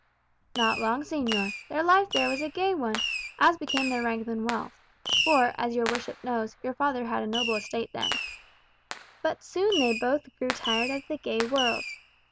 "Not long, señor. Their life there was a gay one, as became their rank and wealth (for, as your worship knows, your father had a noble estate then). But soon they both grew tired of the gay world.